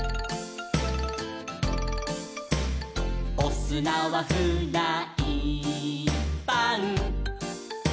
「おすなはフライパン」